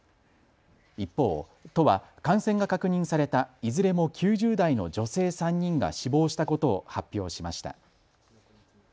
一方、都は感染が確認されたいずれも９０代の女性３人が死亡したことを発表しました。